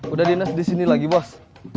udah dinas disini lagi bos